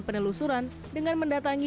penelusuran dengan mendatangi